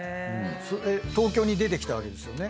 東京に出てきたわけですよね。